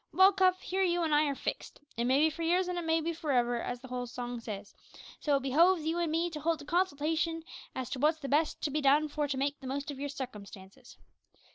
Well, Cuff, here you an' I are fixed `it may be for years, an' it may be for ever' as the old song says; so it behoves you and me to hold a consultation as to wot's the best to be done for to make the most of our sukumstances.